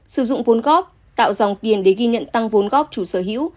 sử dụng vốn góp tạo dòng tiền để ghi nhận tăng vốn góp chủ sở hữu